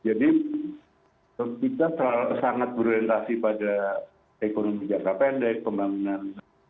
jadi kita sangat berorientasi pada ekonomi jangka pendek pembangunan